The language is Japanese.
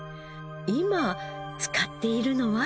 今使っているのは？